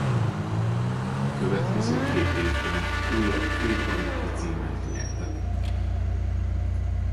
A következő két évben újabb két bajnoki címet nyertek.